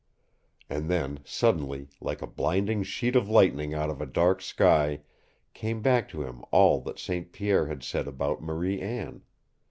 And then, suddenly, like a blinding sheet of lightning out of a dark sky, came back to him all that St. Pierre had said about Marie Anne.